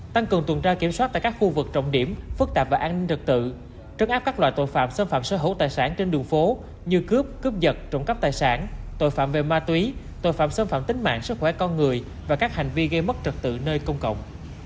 tăng cường tuần tra kiểm soát tại các khu vực trọng điểm phức tạp và an ninh trật tự trấn áp các loại tội phạm xâm phạm sở hữu tài sản trên đường phố như cướp cướp vật trộm cắp tài sản tội phạm về ma túy tội phạm xâm phạm tính mạng sức khỏe con người và các hành vi gây mất trật tự nơi công cộng